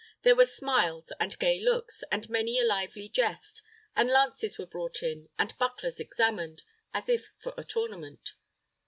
There were smiles, and gay looks, and many a lively jest, and lances were brought in, and bucklers examined, as if for a tournament.